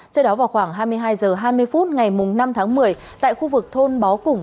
trước đó vào khoảng hai mươi hai h hai mươi phút ngày năm tháng một mươi tại khu vực thôn bó củng